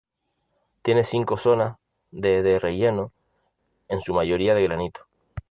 Tiene cinco zonas de de relleno, en su mayoría de granito.